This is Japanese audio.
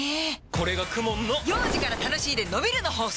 これがＫＵＭＯＮの幼児から楽しいでのびるの法則！